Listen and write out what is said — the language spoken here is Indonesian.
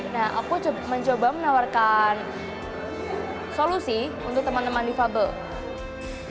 nah aku mencoba menawarkan solusi untuk teman teman difabel